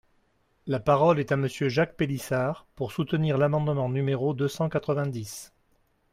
La parole est à Monsieur Jacques Pélissard, pour soutenir l’amendement numéro deux cent quatre-vingt-dix.